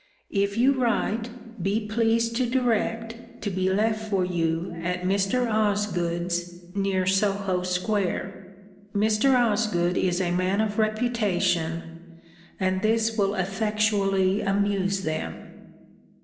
If you write, be pleased to direct, to be left for you, at Mr. Osgood's, near Soho square. Mr. Osgood is a man of reputation: and this will effectually amuse them.